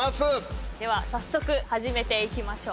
では早速始めていきましょう。